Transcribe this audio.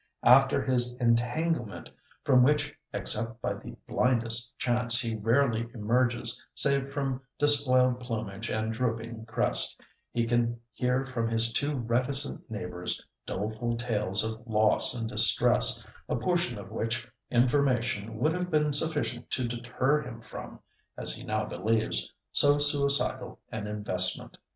After his entanglement—from which except by the blindest chance he rarely emerges save with despoiled plumage and drooping crest—he can hear from his too reticent neighbours doleful tales of loss and distress, a portion of which information would have been sufficient to deter him from (as he now believes) so suicidal an investment.